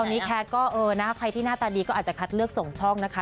ตอนนี้แคทก็เออนะใครที่หน้าตาดีก็อาจจะคัดเลือกส่งช่องนะคะ